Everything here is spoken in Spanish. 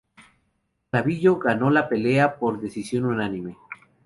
Calvillo ganó la pelea por decisión unánime.